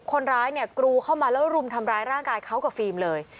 คนร้ายเนี่ยกรูเข้ามาแล้วรุมทำร้ายร่างกายเขากับฟิล์มเลย